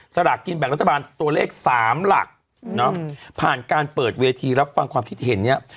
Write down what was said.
สลากกินแบ่งรัฐบาลตัวเลข๓หลักผ่านการเปิดเวทีรับฟังความคิดเห็นเนี่ย